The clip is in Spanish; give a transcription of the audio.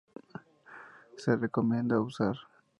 Se recomienda usar